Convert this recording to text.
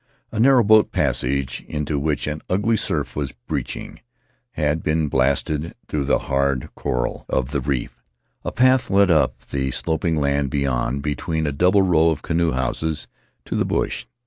A narrow boat passage, into which an ugly surf was breaching, had been blasted through the hard coral Faery Lands of the South Seas of the reef; a path led up the sloping land beyond, between a double row of canoe houses to the bush.